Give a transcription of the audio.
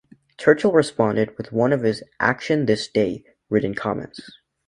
Churchill responded with one of his "Action This Day" written comments.